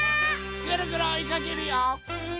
ぐるぐるおいかけるよ！